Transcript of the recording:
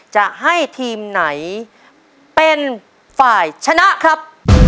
จะให้ทีมไหนเป็นฝ่ายชนะครับ